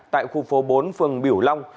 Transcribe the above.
tại khu phố bốn phường biểu long